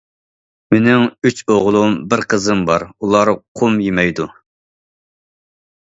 مېنىڭ ئۈچ ئوغلۇم، بىر قىزىم بار، ئۇلار قۇم يېمەيدۇ.